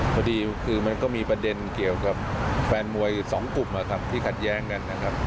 พอดีคือมันก็มีประเด็นเกี่ยวกับแฟนมวยสองกลุ่มที่ขัดแย้งกัน